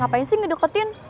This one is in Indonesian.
kayaknya sih ngedeketin